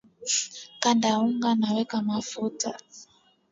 kanda unga na weka mafuta